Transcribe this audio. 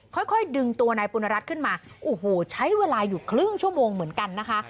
ค่อยดึงตัวนายปุณรัฐขึ้นมาโอ้โหใช้เวลาอยู่ครึ่งชั่วโมงเหมือนกันนะคะ